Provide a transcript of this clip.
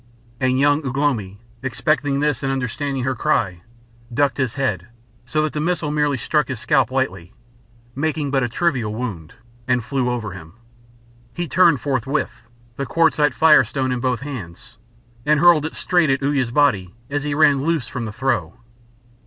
And young Ugh lomi, expecting this and understanding her cry, ducked his head, so that the missile merely struck his scalp lightly, making but a trivial wound, and flew over him. He turned forthwith, the quartzite Fire Stone in both hands, and hurled it straight at Uya's body as he ran loose from the throw.